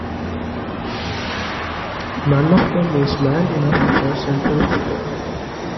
None of them is man enough for a central figure.